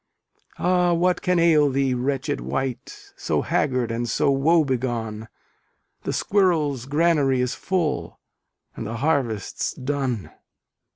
Ah what can ail thee, wretched wight, So haggard and so woe begone? The squirrel's granary is full, And the harvest's done.